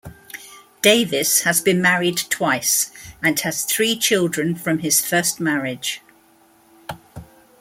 Davis has been married twice and has three children from his first marriage.